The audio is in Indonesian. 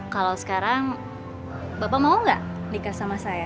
kalau sekarang bapak mau gak nikah sama saya